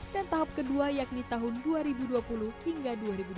dan tahap kedua yakni tahun dua ribu dua puluh hingga dua ribu dua puluh satu